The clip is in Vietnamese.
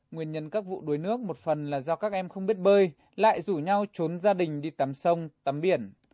nguyên nhân các vụ đuối nước một phần là do các em không biết bơi lại rủ nhau trốn gia đình đi tắm sông tắm biển